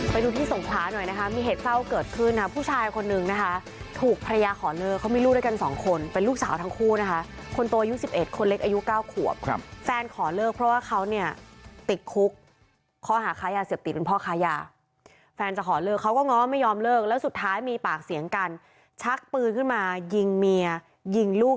ไปดูที่สงขลาหน่อยนะคะมีเหตุเศร้าเกิดขึ้นนะผู้ชายคนนึงนะคะถูกภรรยาขอเลิกเขามีลูกด้วยกันสองคนเป็นลูกสาวทั้งคู่นะคะคนโตอายุ๑๑คนเล็กอายุเก้าขวบครับแฟนขอเลิกเพราะว่าเขาเนี่ยติดคุกข้อหาค้ายาเสพติดเป็นพ่อค้ายาแฟนจะขอเลิกเขาก็ง้อไม่ยอมเลิกแล้วสุดท้ายมีปากเสียงกันชักปืนขึ้นมายิงเมียยิงลูก